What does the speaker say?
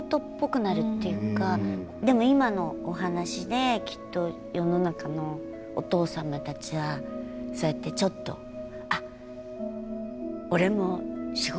でも今のお話できっと世の中のお父様たちはそうやってちょっと「あっ俺も仕事をしていたんだ」。